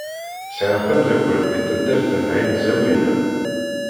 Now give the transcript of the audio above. Sɛiɣ tameddakelt deg taddart n Ɛin Zawiya.